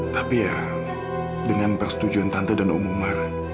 tapi ya dengan persetujuan tante dan om umar